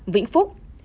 ba vĩnh phúc